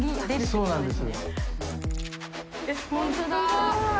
そうなんです